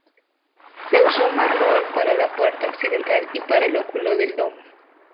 Se usó mármol para la puerta occidental y para el óculo del domo.